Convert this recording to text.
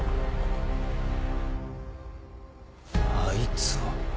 あいつは。